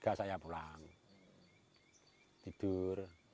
kalau tidak keliling ya tidak bisa jadi hutannya